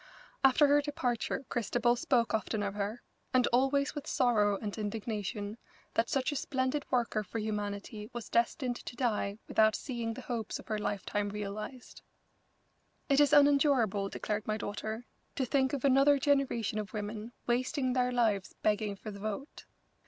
After her departure Christabel spoke often of her, and always with sorrow and indignation that such a splendid worker for humanity was destined to die without seeing the hopes of her lifetime realised. "It is unendurable," declared my daughter, "to think of another generation of women wasting their lives begging for the vote.